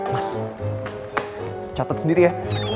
mas catet sendiri ya